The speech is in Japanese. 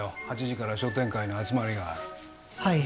８時から商店会の集まりがあるはい